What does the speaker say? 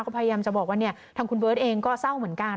ก็พยายามจะบอกว่าเนี่ยทางคุณเบิร์ตเองก็เศร้าเหมือนกัน